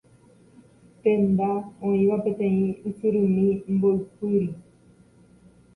Tenda oĩva peteĩ ysyrymi mboypýri.